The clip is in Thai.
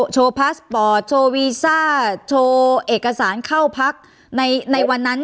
พาสปอร์ตโชว์วีซ่าโชว์เอกสารเข้าพักในวันนั้น